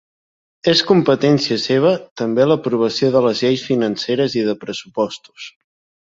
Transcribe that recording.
És competència seva també l'aprovació de les lleis financeres i de pressupostos.